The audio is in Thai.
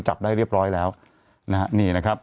จับได้เรียบร้อยแล้วนะฮะนี่นะครับ